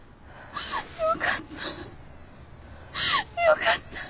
よかった！